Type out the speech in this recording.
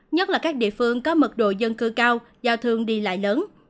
nhất là các địa phương có mật độ dân cư cao giao thương đi lại lớn